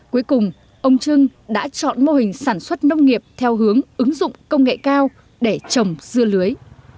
cuối cùng ông trưng đã chọn mô hình sản xuất nông nghiệp theo hướng ứng dụng công nghệ cao để trồng dưa lưới